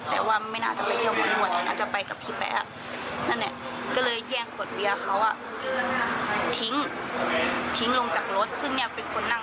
ซึ่งเป็นคนนั่งข้างหน้าแฟนคอร์เผย์ขรังหลัง